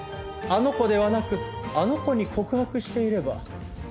あの子ではなくあの子に告白していれば。